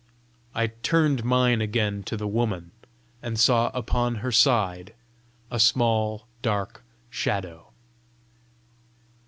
I turned mine again to the woman and saw upon her side a small dark shadow.